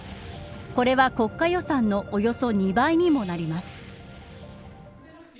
これは国家予算のおよそ２倍にもなります。